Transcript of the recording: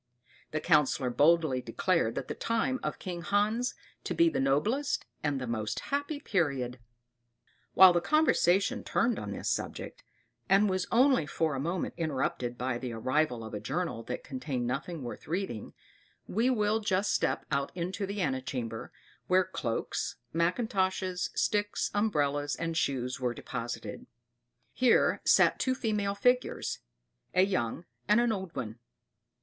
The Councillor boldly declared the time of King Hans to be the noblest and the most happy period.* * A.D. 1482 1513 While the conversation turned on this subject, and was only for a moment interrupted by the arrival of a journal that contained nothing worth reading, we will just step out into the antechamber, where cloaks, mackintoshes, sticks, umbrellas, and shoes, were deposited. Here sat two female figures, a young and an old one.